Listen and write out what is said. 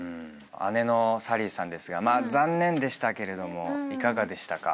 姉の紗鈴依さんですが残念でしたけれどもいかがでしたか？